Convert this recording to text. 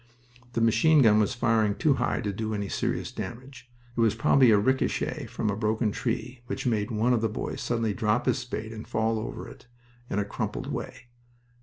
The machine gun was firing too high to do any serious damage. It was probably a ricochet from a broken tree which made one of the boys suddenly drop his spade and fall over it in a crumpled way.